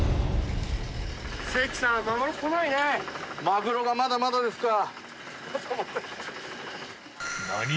マグロがまだまだですか？